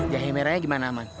jahe merahnya gimana aman